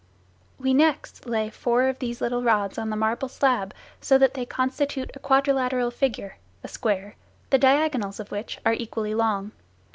We next lay four of these little rods on the marble slab so that they constitute a quadrilateral figure (a square), the diagonals of which are equally long.